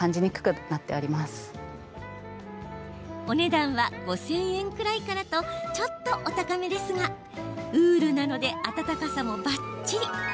お値段は５０００円くらいからとちょっとお高めですがウールなのであたたかさもばっちり。